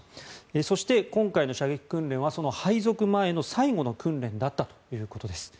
そして、今回の射撃訓練はその配属前の最後の訓練だったということです。